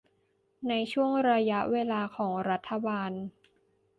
ในช่วงระยะเวลาของรัฐบาล